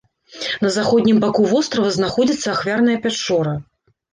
На заходнім баку вострава знаходзіцца ахвярная пячора.